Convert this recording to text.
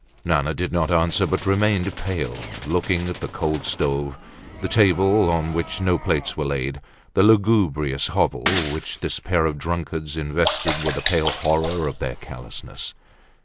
Nana did not answer, but remained pale, looking at the cold stove, the table on which no plates were laid, the lugubrious hovel which this pair of drunkards invested with the pale horror of their callousness.